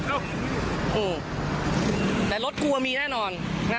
เออแต่รถกูมันมีแน่นอน